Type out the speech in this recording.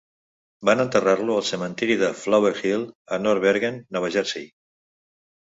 Van enterrar-lo al cementiri de Flower Hill a North Bergen, Nova Jersey.